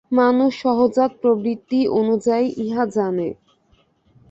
মানুষ সহজাত প্রবৃত্তি অনুযায়ী ইহা জানে।